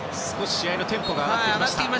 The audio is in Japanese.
試合のテンポが上がってきました。